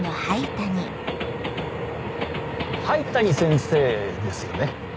灰谷先生ですよね。